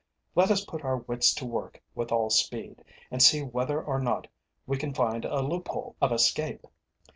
Let us put our wits to work with all speed, and see whether or not we can find a loophole of escape."